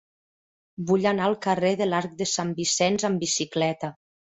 Vull anar al carrer de l'Arc de Sant Vicenç amb bicicleta.